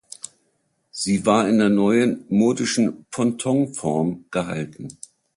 Sie war in der neuen, modischen Pontonform gehalten.